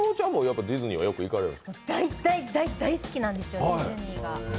大大大好きなんですよね、ディズニーが。